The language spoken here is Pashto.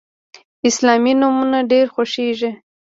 اسلامي نومونه ډیر خوښیږي.